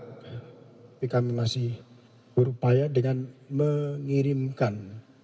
tapi kami masih berupaya dengan mengirimkan